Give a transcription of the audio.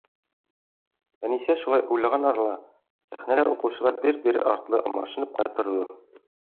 Әнисә шулай уйланған арала, сәхнәлә уҡыусылар бер-бер артлы алмашынып ҡына торҙо.